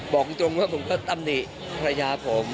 บอกตรงว่าผมก็ตำหนิภรรยาผม